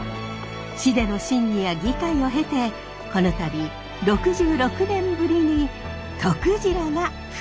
市での審議や議会を経てこの度６６年ぶりにとくじらが復活したのです。